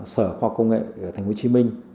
sở khoa học công nghệ của thành phố hồ chí minh